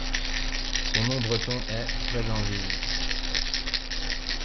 Son nom breton est Treglañviz.